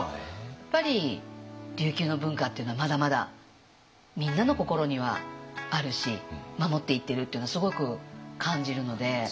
やっぱり琉球の文化っていうのはまだまだみんなの心にはあるし守っていってるっていうのはすごく感じるので。